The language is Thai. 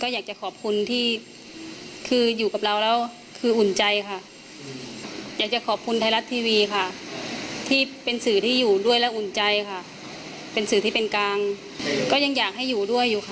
อยากจะขอบคุณที่คืออยู่กับเราแล้วคืออุ่นใจค่ะอยากจะขอบคุณไทยรัฐทีวีค่ะที่เป็นสื่อที่อยู่ด้วยและอุ่นใจค่ะเป็นสื่อที่เป็นกลางก็ยังอยากให้อยู่ด้วยอยู่ค่ะ